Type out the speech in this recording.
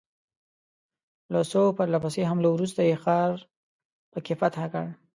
له څو پرله پسې حملو وروسته یې ښار په کې فتح کړ.